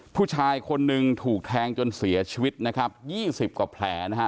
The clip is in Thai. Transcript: ผู้ชายคนหนึ่งถูกแทงจนเสียชีวิตนะครับ๒๐กว่าแผลนะฮะ